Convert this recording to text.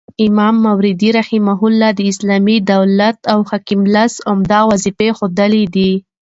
امام ماوردي رحمه الله د اسلامي دولت او حاکم لس عمده وظيفي ښوولي دي